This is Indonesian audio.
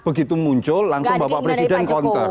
begitu muncul langsung bapak presiden counter